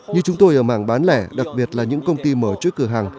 như chúng tôi ở mảng bán lẻ đặc biệt là những công ty mở trước cửa hàng